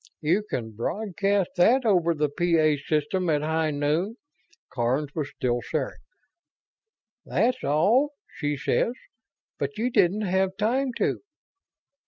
"You can broadcast that over the P A system at high noon." Karns was still staring. "'That's all,' she says. But you didn't have time to